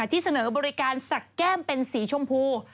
ที่เสนอบริการสักแก้มเป็นสีชมพู